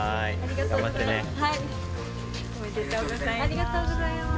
ありがとうございます。